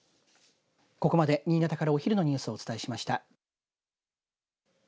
ここまで新潟からお昼のニュースをお伝えしました。